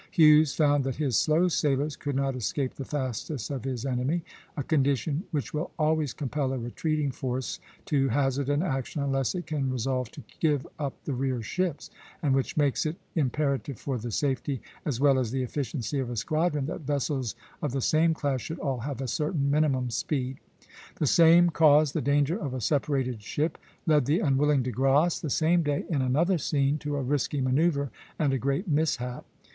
Hughes found that his slow sailers could not escape the fastest of his enemy, a condition which will always compel a retreating force to hazard an action, unless it can resolve to give up the rear ships, and which makes it imperative for the safety, as well as the efficiency, of a squadron that vessels of the same class should all have a certain minimum speed. The same cause the danger of a separated ship led the unwilling De Grasse, the same day, in another scene, to a risky manoeuvre and a great mishap.